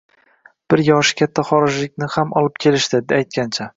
Bir yoshi katta xorijlikni ham olib kelishdi, aytgancha